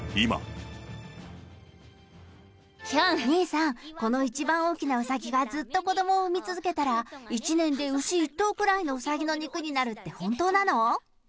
兄さん、この一番大きなうさぎがずっと子どもを産み続けたら、１年で牛１頭ぐらいのうさぎの肉になるって本当なの？